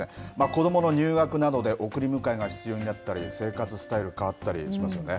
子どもの入学などで送り迎えが必要になったり、生活スタイル変わったりしますよね。